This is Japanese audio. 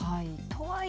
はい。